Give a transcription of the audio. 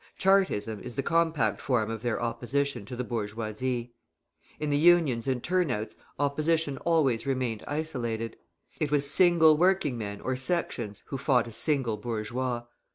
Chartism is the compact form of their opposition to the bourgeoisie. In the Unions and turnouts opposition always remained isolated: it was single working men or sections who fought a single bourgeois.